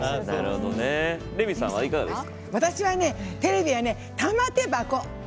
私はテレビはね玉手箱！